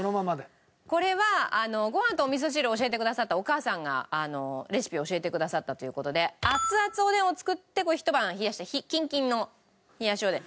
これはご飯とお味噌汁を教えてくださったお母さんがレシピを教えてくださったという事で熱々おでんを作って一晩冷やしたキンキンの冷やしおでん。